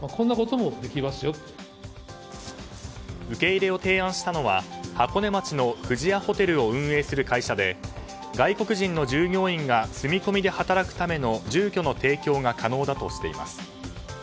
受け入れを提案したのは箱根町の富士屋ホテルを運営する会社で外国人の従業員が住み込みで働くための住居の提供が可能だとしています。